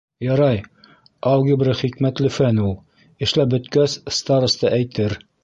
- Ярай, алгебра хикмәтле фән ул. Эшләп бөткәс, староста әйтер.